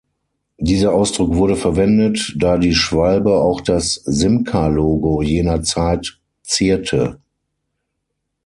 Dieser Ausdruck wurde verwendet, da die Schwalbe auch das Simca-Logo jener Zeit zierte.